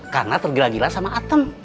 karena tergila gila sama atem